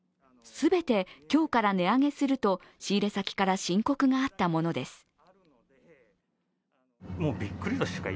全て今日から値上げすると仕入れ先から申告があったものです。